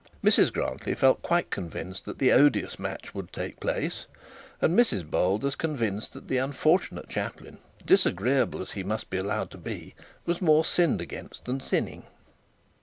Mrs Grantly felt quite convinced that the odious match would take place; and Mrs Bold as convinced that that unfortunate chaplain, disagreeable as he must be allowed to be, was more sinned against than sinning.